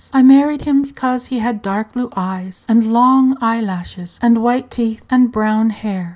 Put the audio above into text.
I married him because he had dark blue eyes, and long eye lashes, and white teeth, and brown hair.